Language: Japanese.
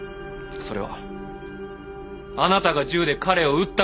それはあなたが銃で彼を撃ったからです。